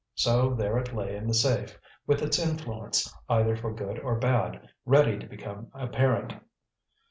So there it lay in the safe, with its influence, either for good or bad, ready to become apparent.